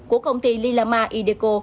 của công ty lilama ideco